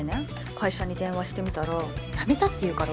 会社に電話してみたら辞めたっていうから驚いて。